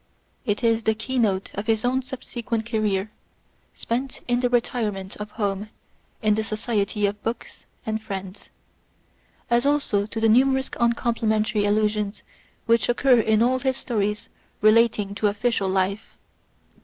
It is the key note to his own subsequent career, spent in the retire ment of home, in the society of books and friends ; as cilso to the numerous uncomplimentary allusions which occur in all his stories relating to official life.